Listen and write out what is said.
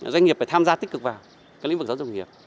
doanh nghiệp phải tham gia tích cực vào cái lĩnh vực giáo dục nghề nghiệp